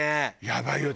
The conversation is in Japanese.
やばいよ。